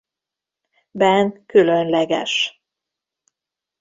Ben különleges.